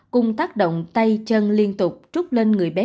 cùng tác động tay chân liên tục trút lên người bé